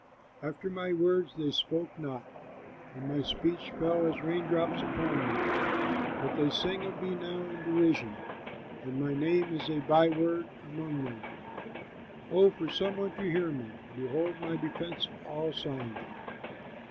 After my words they spoke not, And my speech fell as rain drops upon them. But they sing of me now in derision, And my name is a by word among them. "Oh, for some one to hear me! Behold my defense all signed!